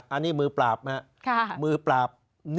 อันนี้มือปราบ